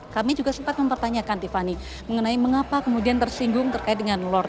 kami juga sempat mempertanyakan tiffany mengenai mengapa kemudian tersinggung terkait dengan lord